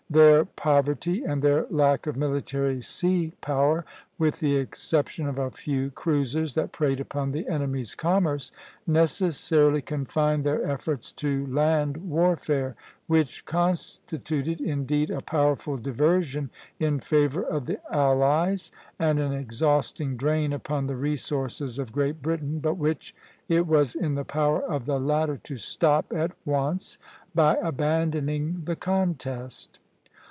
Their poverty and their lack of military sea power, with the exception of a few cruisers that preyed upon the enemy's commerce, necessarily confined their efforts to land warfare, which constituted indeed a powerful diversion in favor of the allies and an exhausting drain upon the resources of Great Britain, but which it was in the power of the latter to stop at once by abandoning the contest.